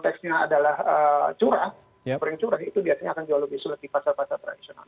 tapi kalau konteksnya adalah curah itu biasanya akan jauh lebih sulit di pasar pasar tradisional